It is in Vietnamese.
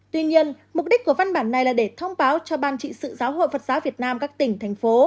tuy nhiên mục đích của văn bản này là để thông báo cho ban trị sự giáo hội phật giáo việt nam các tỉnh thành phố